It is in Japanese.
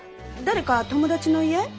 誰か友達の家？